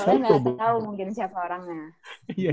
soalnya gak tau mungkin siapa orangnya